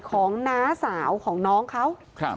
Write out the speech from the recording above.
น้าสาวของน้องเขา